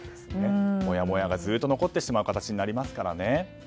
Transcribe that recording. もやもやがずっと残ってしまう形になりますからね。